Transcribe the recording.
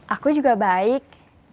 aku juga baik